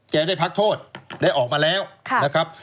ได้พักโทษได้ออกมาแล้วนะครับ